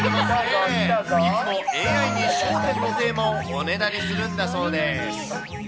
いつもＡＩに笑点のテーマをお願いするんだそうです。